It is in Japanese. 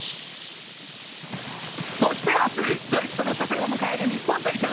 そして明日、ドイツとの初戦を迎える日本代表。